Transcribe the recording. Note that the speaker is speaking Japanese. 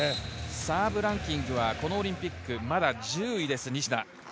サーブランキングはこのオリンピック、まだ１０位です、西田。